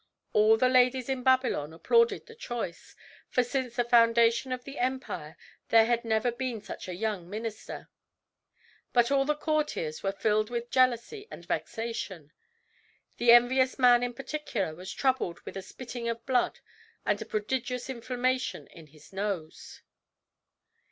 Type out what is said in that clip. All the ladies in Babylon applauded the choice; for since the foundation of the empire there had never been such a young minister. But all the courtiers were filled with jealousy and vexation. The envious man in particular was troubled with a spitting of blood and a prodigious inflammation in his nose.